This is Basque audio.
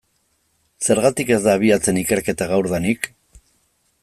Zergatik ez da abiatzen ikerketa gaurdanik?